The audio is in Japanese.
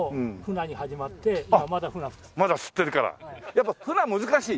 やっぱフナ難しい？